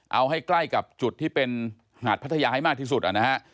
เอาให้ใกล้กับจุดที่เป็นหาดพัทยาให้มากที่สุดนะฮะ